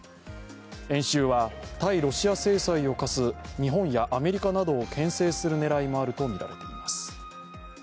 演習は対ロシア制裁を科す日本やアメリカなどをけん制する狙いもあるとみられています。